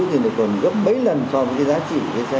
thì nó còn gấp mấy lần so với cái giá trị của cái xe